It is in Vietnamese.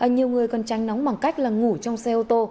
nhiều người còn tranh nóng bằng cách là ngủ trong xe ô tô